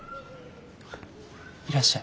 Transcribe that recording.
いらっしゃい。